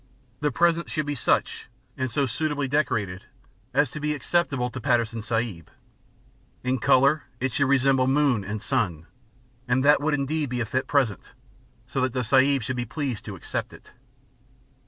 The present should be such, and so suitably decorated, as to be acceptable to Patterson Sahib; In colour it should resemble moon and sun; and that would indeed be a fit present, so that the Sahib would be pleased to accept it.